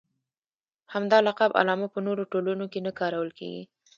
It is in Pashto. همدا لقب علامه په نورو ټولنو کې نه کارول کېږي.